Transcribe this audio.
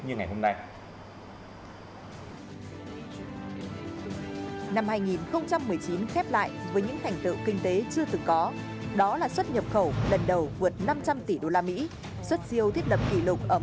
nhiệm ký hai nghìn hai mươi hai nghìn hai mươi một